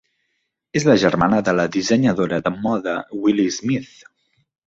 És la germana de la dissenyadora de moda Willi Smith.